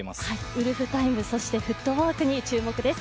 ウルフタイムフットウオークに注目です。